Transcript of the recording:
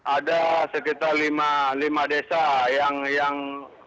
ada sekitar lima desa yang